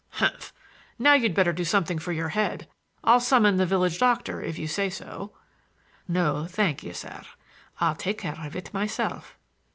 "Humph! Now you'd better do something for your head. I'll summon the village doctor if you say so." "No; thank you, sir. I'll take care of it myself."